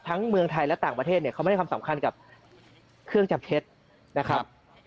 เมืองไทยและต่างประเทศเนี่ยเขาไม่ได้ความสำคัญกับเครื่องจับเท็จนะครับ